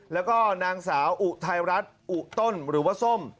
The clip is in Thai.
แล้วก็นางสาวอุทัยรัฐอุต้นหรือว่าส้ม